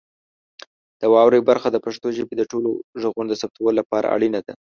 د واورئ برخه د پښتو ژبې د ټولو غږونو د ثبتولو لپاره اړینه ده.